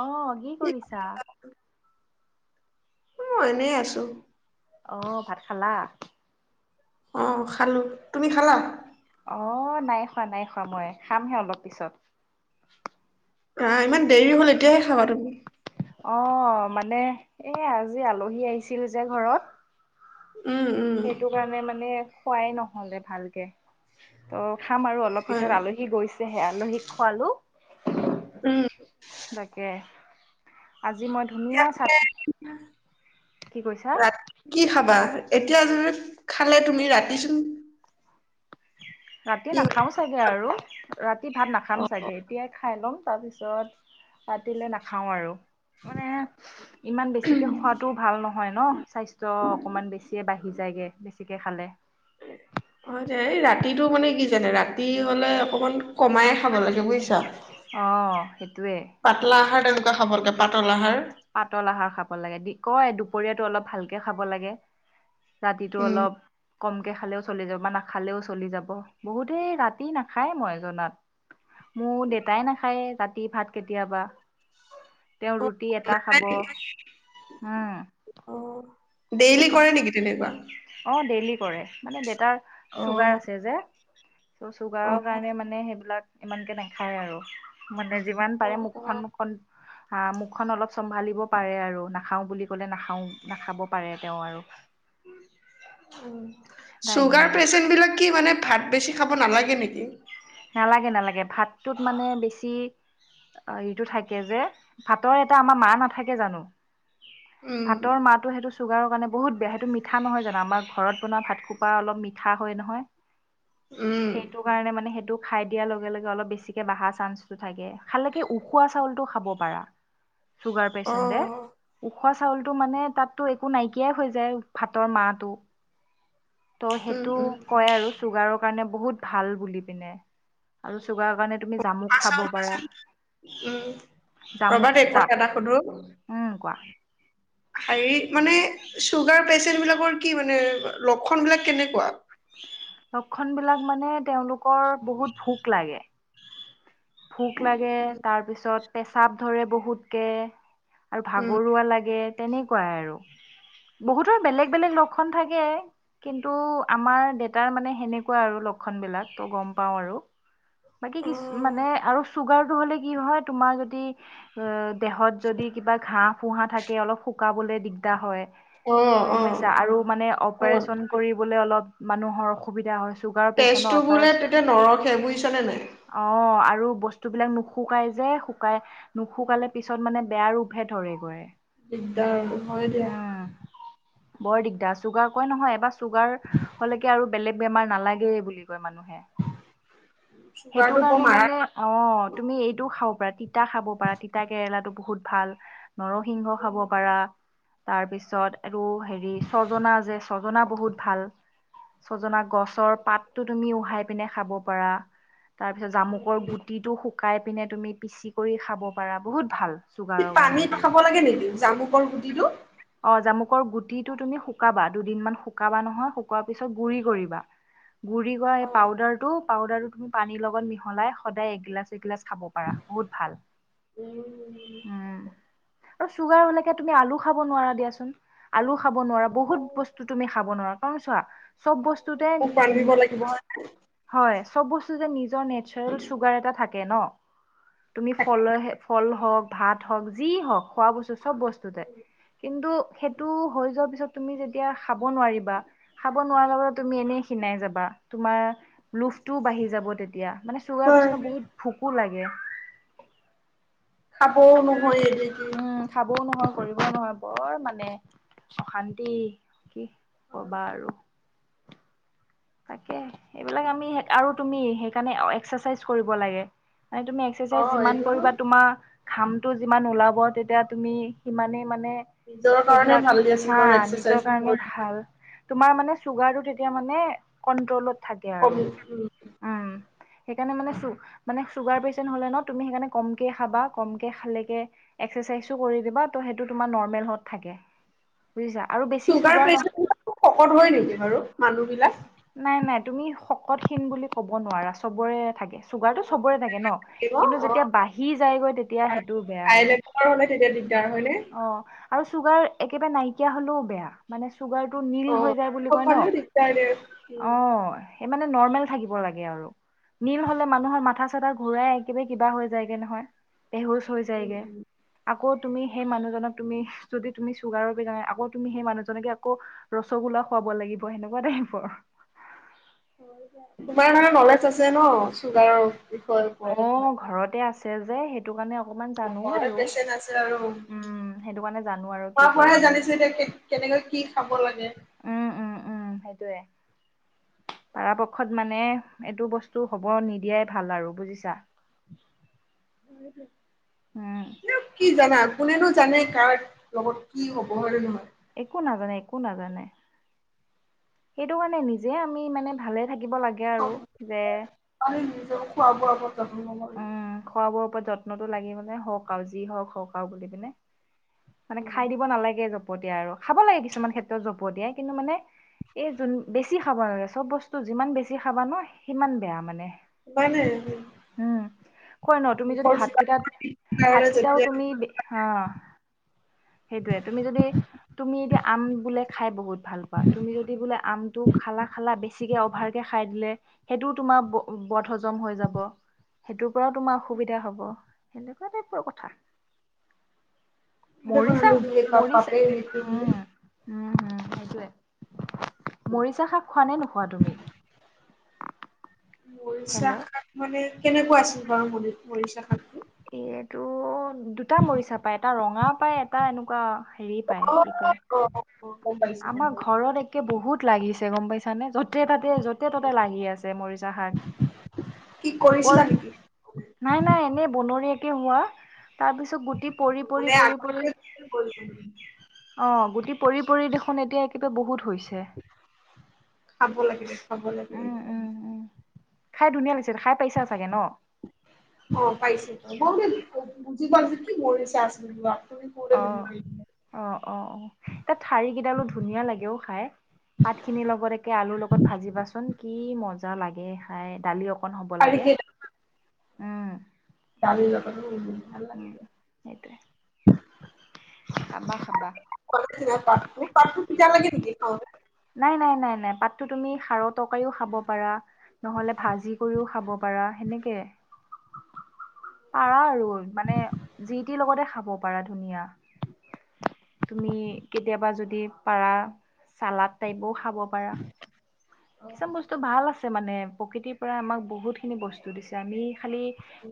অহ, কি কৰিছা? মই এনে আছো। অহ, ভাত খালা? অ খালো, তুমি খালা? অ, নাই খোৱা, নাই খোৱা মই, খামহে অলপ পিছত আহ, ইমান দেৰি হ'ল এতিয়াহে খাবা তুমি অ, মানে এ আজি আলহী আহিছিল যে ঘৰত উম উম সেইটো কাৰণে মানে খোৱাই নহলে ভালকে, ত' খাম আৰু অলপ হয় পিছত, আলহী গৈছেহে, আলহীক উম খোৱালো, তাকে আজি মই ধুনীয়া চাট, কি কৈছা? ৰাতি কি খাবা এতিয়া য খালে তুমি ৰাতিচোন ৰাতি কি নাখাওঁ চাগে খাবা? আৰু ৰাতি ভাত নাখাম চাগে, এতিয়াই খাই ল'ম তাৰপিছত, ৰাতিলে নাখাওঁ আৰু মানে, ইমান বেছিকে খোৱাতটো ভাল নহয়। হয় ন, স্বাস্থ্য অকমান বেছিয়ে বাঢ়ি যায়গে, বেছিকে খালে। সেইটো মানে কি জানে, ৰাতি হ'লে অকণমান কমাই খাব লাগে, বুজিছা অ সেইটোৱে পাতলা আহাৰ, তেনেকুৱা খাব লাগে। পাতল আহাৰ পাতল আহাৰ খাব লাগে, দি কয় দুপৰীয়াটো অলপ ভালকে খাব লাগে। ৰাতিটো উম অলপ কমকে খালেও চলি যাব, বা নাখালেও চলি যাব, বহুতেই ৰাতি নাখায় মই জনাত মোৰ দেউতাই নাখায়, তা ৰাতি ভাত কেতিয়াবা তেওঁ অ ৰুটি এটা খাব, হয় নেকি? উম। অ ডেইলি সেইটোৱে কৰে নেকি তেনেকুৱা? অ ডেইলি কৰে, মানে দেউতা অ চুগাৰ আছে যে চ', অ চুগাৰৰ কাৰণে মানে সেইবিলাক ইমানকে নাখায় আৰু। মানে যিমান অ পাৰে অ মুখখন মুখখন আ মুখখন অলপ চম্ভালিব পাৰে আৰু নাখাও বুলি ক'লে নাখাও, নাখাব পাৰে। তেওঁ আৰু তাকে চুগাৰ পেচেন্ট বিলাক কি মানে ভাত বেছি খাব নালাগে নেকি? নালাগে এইটো থাকে যে, ভাতৰ এটা আমাৰ মাৰ নাথাকে জানো? উম, ভাতৰ মাৰটো সেইটো চুগাৰৰ কাৰনে বহুত বেয়া এইটো মিঠা নহয় জানো, আমাৰ ঘৰত আপোনাৰ ভাত খোপা অলপ মিঠা হয় নহয়। উম, সেইটো কাৰণে মানে সেইটো খাই দিয়াৰ লগে লগে অলপ বেছিকে বাঢ়া চান্সটো থাকে, খালেকে উখোৱা চাউলটো খাব পাৰা। ছুগাৰ পেচেণ্টে। অ', ওখোৱা চাউলটো মানে তাতটোএকো নাইকিয়াই হৈ যায় ভাতৰ মাৰটো। ত' উম, সেইটো উম। কয় আৰু চুগাৰৰ কাৰণে বহুত ভাল বুলি পিনে আৰু চুগাৰৰ কাৰণে তুমি জামুক খাব আচলতে পাৰা। উম, ৰ'বা দেই জামুক কথা জাপ, এটা সুধো? উম কোৱা? হেৰি মানে চুগাৰ পেচেণ্ট বিলাকৰ কি মানে লক্ষণ বিলাক কেনেকুৱা? লক্ষণ বিলাক মানে তেওঁলোক কৰ বহুত ভোক লাগে। ভোক লাগে, তাৰ পিছত পেচাব ধৰে বহুত কে আৰু উম, ভাগৰুৱা লাগে, তেনেকুৱাই আৰু। বহুতৰে বেলেগ বেলেগ লক্ষণ থাকে। কিন্তু আমাৰ দেতাৰ মানে সেনেকুৱা আৰু লক্ষণ বিলাক। ত' গম পাওঁ আৰু। বাকী কিছ অ', মানে আৰু চুগাৰটো হ'লে কি হয় তোমাৰ যদি, অ দেহত যদি কিবা ঘাঁ ফুহা থাকে অলপ শুকাবলে দিগদাৰ হয়। অ', গম অ'। পাইছা আৰু মানে অ', অপাৰেচন কৰিবলে অলপ মানুহৰ অসুবিধা হৈছে। তেজটো বোলে তেতিয়া নৰসে, বুইছানে নাই? অ আৰু বস্তুবিলাক নুশুকাই যে শুকাই নুশুকালে পিছত মানে বেয়া ৰূপহে ধৰে গৈ। দিগদাৰ আৰু হয় দিয়া। বৰ দিগদাৰ চুগাৰ কয় নহয়! এবাৰ চুগাৰ, হ'লেকে আৰু বেলেগ বেমাৰ নালাগেই বুলি কয় মানুহে। চুগাৰটো বৰ সেইটোকাৰণে মাৰা মানে, অ' তুমি এইটো খাৱ ৰাতি তিতা খাব পাৰা তিতা কেৰেলাটো। বহুত ভাল। নৰসিংহ খাব পাৰা। তাৰপিছত আৰু হেৰি ছজনা যে, ছজনা বহুত ভাল। ছজনা গছৰ পাতটো তুমি উহাই পিনে খাব পাৰা। তাৰপিছত জামুকৰ গুটিটো শু শুকাই পিনে তুমি পিচি কৰি খাব পাৰা, বহুত ভাল। সি চুগাৰৰ কাৰণে পানীত এইবিলাক। খাব লাগে নেকি! জামুকৰ গুটিটো। অ' জামুকৰ গুটিটো তুমি শুকাবা। দুদিনমান শুকাবা নহয় শুকুৱা তাৰপিছত গুড়ি কৰিবা, গুড়ি কৰা এই অ', পাউদাৰটো, পাউদাৰ। পানীৰ লগত মিহলাই সদায় এগিলাচ-এগিলাচ। খাব পাৰা, বহুত ভাল। উম, উম। আৰু চুগাৰ হ'লেকে তুমি আলু খাব নোৱাৰা দিয়াচোন, আলু খাব নোৱাৰা, বহুত অ', বস্তু তুমি খাব নোৱাৰা। কাৰণ চোৱা। চব বস্তুতে, মোক ৰান্ধিব লাগিব হয়। হয়, চব বস্তু যে নি। নেচাৰেল চুগাৰ এটা থাকে ন! তুমি ফলেহে, ফল হওক। ভাত হওক, যি হওক, খোৱা বস্তু চব বস্তুতে। কিন্তু, সেইটো হৈ যোৱাৰ পিছত। তুমি যেতিয়া খাব নোৱাৰিবা! খাব নোৱাৰা বাবে তুমি এনেই ক্ষীনাই যাবা। তোমাৰ, লোভটোও বাঢ়ি যাব তেতিয়া। মানে চুগাৰ হয়, পেচেণ্টৰ বহুত ভোকো লাগে। [unintelligible] খাবও নহয় এনেকি ও নহয়, কৰিবও নহয়। বৰ মানে অশান্তি। কি ক'বা আৰু! তাকে, সেইবিলাক আমি আৰু তুমি সেইকাৰণে এক্সাচাইজ কৰিব লাগে। মানে তুমি অ এক্সাচাইজ যিমান এইটোতো কৰিবা, তোমাৰ ঘামটো যিমান ওলাব তেতিয়া তুমি সিমানেই মানে, নিজৰ কাৰণে সেইবিলাক ভাল দিয়াচোন হা বাৰু নিজৰ এক্সাৰচাইজ কাৰণে কৰি ভাল। তোমাৰ মানে চুগাৰটো, তেতিয়া মানে। কণ্ট্ৰলত। থাকে কম আৰু উম উম। সেই কাৰণেই মানে চুগাৰ পেচেণ্ট হলে ন সেইকাৰণেই কমকে খাবা কমকে খালেহে এক্সাচাইজো কৰি দিবা। ত সেইটো তোমাৰ নৰ্মেল ত থাকে বুজিছা আৰু বেছি চুগাৰ নহ প্ৰেচাৰাক শকত হয় নেকি বাৰু মানুহ বিলাক। হকট খিন বুলি ক'ব নোৱাৰা চবৰে। থাকে অ চুগাৰটো চবৰে থাকে ন থাকিব কিন্তু অ যেতিয়া বাঢ়ি যায়গৈ তেতিয়া সেইটো বেয়া হাই আৰু। লেভেলৰ হ'লে তেতিয়া দিগদাৰ হয়নে? আৰু চুগাৰ একেবাৰে নাইকিয়া হলেও বেয়া মানে। চুগাৰটো নীল অ হৈ যায় বুলি চব কয় ন। ফালেও দিগদাৰ দে উম অ। সেই মানে নৰ্মেল থাকিব লাগে আৰু নীল হলে মানুহৰ। মাথা চাথা ঘূৰাই একেবাৰে কিবা হৈ যায়গে নহয়। বেহোচ হৈ উম যায়গৈ। উম আকৌ তুমি সেই মানুহজনক তুমি যদি তুমি চুগাৰৰ বিজাই আকৌ সেই মানুহজনকে আকৌ ৰসগোলা খুৱাব লাগিব সেনেকুৱা তাইপ। পৰ। তোমাৰ মানে নলেজ আছে ন। চুগাৰ। অ ঘৰতে আছে। আছে যে সেইটো কাৰণে। অকমান জানো ঘৰতে আৰু পেচেণ্ট আছে আৰু উম, সেইটো কাৰণে জানো আৰু খোৱা কি বোৱা হে কৰিব লাগে। জানিছো এতিয়া কে কেনেকৈ কি খাব লাগে। উম উম উম সেইটোয়ে পৰাপক্ষত মানে এইটো বস্তু হব নিদিয়াই ভাল আৰু বুজিছা। হয়। উম, কি জানাত। কোনেনো জানে কাৰ লগত কি হ'ব হয় নহয়। একো নাজানে একো নাজানে। সেইটো কাৰনে নিজে আমি মানে ভালে। থাকিব লাগে আৰু যে আমি নিজৰ খোৱা বোৱা ওপৰত যত্ন ল'ব লাগিব। উম খোৱ বোৰৰ ওপৰত যত্ন। যত্নতটো লাগিবলে হওক আৰু যি হওক হক আৰু বুলি পিনে। মানে খাই দিব নালাগে। হ দিয়া আৰু খাব লাগে কিছুমান ক্ষেত্ৰত জপ দিয়াই কিন্তু মানে এই যোন বেছি খাব নালাগে চব বস্তু যিমান বেছি খাবা ন সিমান বেয়া মানে উপাই নাই উম, কই ন তুমি যদি মুখৰ ভাত কেইটাত ভাত কাৰণে কেইটাও যেতিয়া তুমি অ সেইটোয়ে, তুমি যদি তুমি আম বোলে খাই বহুত ভাল পোৱা তুমি যদি আমটো খালা খালা বেছিকে অভাৰ কে খাই লে, সেইটো তোমাৰ ব বত হজম হৈ যাব, সেইটো পৰাও তোমাৰ অসুবিধা হ'ব, সেইটো কতে পা কথা ম ক মৰিছা ল প মৰিছা পাপেইট বুলি উম । উম হুম সেইটোৱে। মৰিচা শাক খোৱা নে নোখোৱা তুমি? মৰিচা হেল্ল' শাক মানে কেনেকুৱা আছিল বাৰু, ম মৰিচা শাকটো? এইয়াইটো দুটা মৰিচা পায় এটা ৰঙা পায়, এটা এনেকুৱা হেৰি অ', পায় কি কয় অ', অ', গম পাইছো, গম আমাৰ পাইছো। ঘৰত একে বহুত লাগিছে গম পাইছা নে যতেই তাত যতে ততে লাগি আছে মৰিচা শাক, কি বৰ কৰিছিলা নেকি? নাই নাই এনে বনৰ কিৱা তাৰ পিছত গুটি পৰি পৰি মানে পৰি পৰি আগতে অ, গুটি পৰি, পৰি দেখো এতিয়া একেবাৰে বহুত হৈছে খাব লাগে দে, খাব লাগে এই উম উম উম খাই ধুনীয়া লাগিছে খাই পাইছা চাগে ন অ পাইছে বাৰু কিবা কি কৰিছে আছিল যোৱা অ অ অ অ, এতিয়া ঠাৰি কেইডালো ধুনীয়া লাগেও খাই, পাত খিনিৰ লগত একে আলুৰ লগত ভাজিবাচোন কি মজা জা লাগে খাই দালি অ হ'ব লাগে। উম। দালি লগত উ ভাল লাগে উম, সেইটোৱে। খাবা, খাবা। পাতবোৰ তিতা লাগে নেকি খাওতে নাই নাই নাই নাই পাতটো তুমি সাৰ তকাৰিও খাব পাৰা নহলে ভাজি কৰিও খাব পাৰা সেনেকে পাৰা আৰু মানে জি টিৰ লগতে খাব পাৰা ধুনীয়া তুমি কেতিয়াবা যদি পাৰা চালাত তাইপো খাব পাৰা । কিছুমান অ', বস্তু ভাল আছে মানে প্ৰকৃতিৰ পৰা আমাক বহুত খিনি বস্তু দিছে আমি । খালি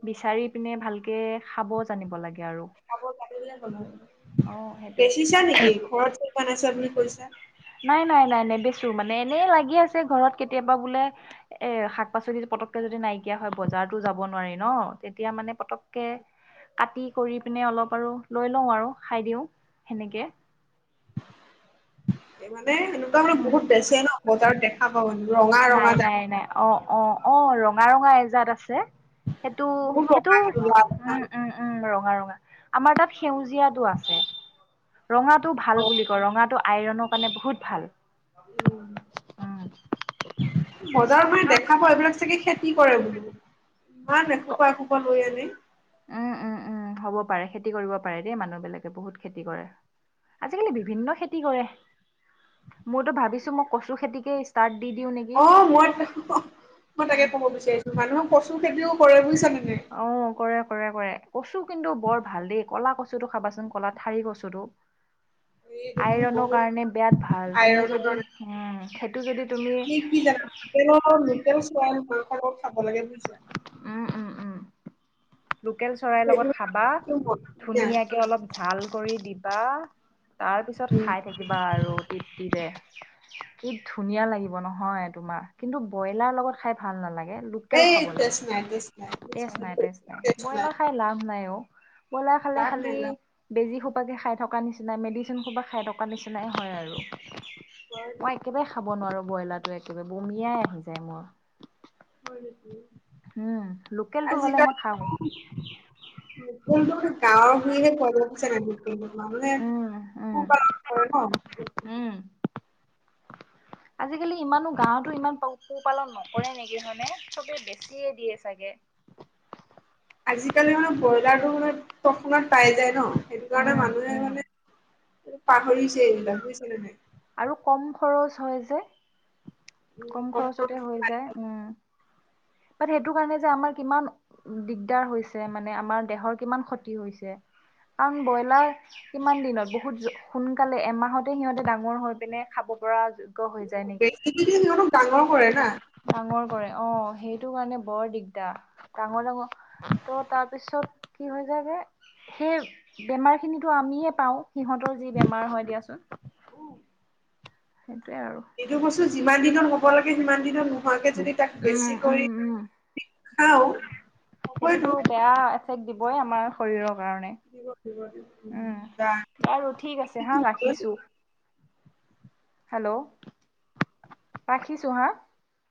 বিচাৰি পিনে ভালকে খাব জানিব লাগে। আৰু। খাব পাব, অ সেইটোৱে। বেছিছা নেকি? ঘৰত [unintelligible] বনাইছা বোলে।‌ কৈছা। নাই! নাই! নাই! নেবেচোঁ, মানে এনেই লাগি আছে ঘৰত কেতিয়াবা বোলে, এ শাক পাচলি পতককে যদি নাইকিয়া হয় বজাৰতো যাব নোৱাৰি ন। তেতিয়া মানে পতক কে কাটি কৰি পিনে অলপ আৰু, লৈ লওঁ আৰু খাই দিওঁ সেনেকে। [inaudible] এই মানে এনেকুৱা মানে উম। বহুত বেচে ন। বজাৰত দেখা প হয়, ৰঙা নাই ৰঙা যে নাই নাই অ অ' অ' ৰঙা ৰঙা এজাত আছে। সেইটো, বহুত সেইটো, ৰঙা উম! উম! উম! ৰ ৰঙা, ৰঙা, আমাৰ তাত সেউজীয়াটো আছে, ৰঙাটো ভাল বুলি কয়, ৰঙাটো আইৰনৰ কাৰণে বহুত ভাল! উম বজাৰৰ মানে দেখা পোৱা এইবিলাক চাগে খেতি কি কৰে, বোলোঁ, ইমান এসোপা এসোপা লৈ আনে উম! উম! উম! হ'ব পাৰে, খেতি কৰিব পাৰে, দেই মানুহ বিলাকে, বহুত খেতি কৰে আজিকালি, বিভিন্ন খেতি কৰে মইতোঁ ভাবিছো মই কচু খেতিকে ষ্টাৰ্ট দি দিও নেকি অ' মই ত, মই তাকে কব বিচাৰিছোঁ মানুহ কচু খেতিও কৰে বুইছ নে? অ' কৰে কৰে কৰে! কচু কিন্তু বৰ ভাল দেই, ক'লা কচু কচু টো খাবাচোন, ক'লা ঠাৰি কচু টো। এইটো আইৰনৰ বহুত কাৰণে বিয়াত ভাল, তুমি আইৰনৰ যদি, কাৰণে উম! সেইটো যদি তুমি কি জানা, লোকেল চোৱা খাব লাগে বুজিছা। উম উম উম লোকেল চৰাইৰ সেইটো লগত মানে খাবা, একদম ধুনীয়া ধুনীয়াকে অলপ ঝাল কৰি দিবা তাৰ পিছত উম, খাই থাকিবা আৰু তৃপ্তিৰে কি ধুনীয়া লাগিব নহয়, তোমাৰ কিন্তু ব্ৰইলাৰ লগত খাই ভাল নালাগে। লোকেল এই খাব লাগে তেচ নাই, তেচ নাই টেষ্ট টেষ্ট নাই টেষ্ট নাই ব্ৰইলাৰ খাই লাভ নাই অঁ! বইলাৰ খালে লাভ খালি নাই লাভ বেজি সোপা পাকে খাই থকা নিচিনা মেডিচিন সোবা খাই থকা নিচিনাই হয় আৰু হয় দে- মই একেবাৰে খাব নোৱাৰো ব্ৰইলাটো একেবাৰে বমিয়াই আহি যায় মোৰ হয় নেকি উম লোকেলটো হ'লে মই আজিকালি খাওঁ কিন্তু গাওঁ ভুই হে পোৱা যায় বুজিছা নাই মানে উম, উম, খুব আঁ কৰে ন উম। আজিকালি ইমানো গাঁৱতো ইমান পা পোহপালন নকৰে নেকি হয়নে চবেই বেছিয়ে দিয়ে চাগে আজিকালি মানে ব্ৰইলাৰটো মানে তৎক্ষণাৎ পাই যায় ন সেইটো কাৰণে উম, মানুহে উম। মানে পাহৰিছে এইবিলাক বুয়িছে নে নাই আৰু কম খৰচ হয় যে উম, কম খৰচতে হৈ যায় উম বাট সেইটো কাৰণে যে আমাৰ কিমান দিগদাৰ হৈছে মানে আমাৰ দেহৰ কিমান ক্ষতি হৈছে কাৰণ ব্ৰইলাৰ কিমান দিনত বহুত সোনকালে এমাহতে সিহঁতে ডাঙৰ হৈ পিনে খাব পৰা হৈ যায় নেকি? বেজি দি দি সিহঁতক ডাঙৰ কৰে না ডাঙৰ কৰে অঁ সেই ইটো কাৰণে বৰ দিগদা ডাঙৰ ডাঙ ত' তাৰপিছত কি হৈ যায় যে সেই বেমাৰখিনিটো আমিয়ে পাওঁ সিহঁতৰ যি বেমাৰ হয় দিয়াচোন সেইটোৱে আৰু সেইটো বস্তু যিমান দিনৰ হ'ব হ'ব লাগে সিমান দিনত ন নোহোৱাকে যদি তাক উম বেছি উম কৰি উম খাওঁ সেইটোতো হবইতো বেয়া দিবই আমাৰ শৰীৰক কাৰণে, দিব দিব দিব। উম বা বাৰু ঠিক আছে হাঁ ৰাখিছো হেল্ল, ৰাখিছো হা।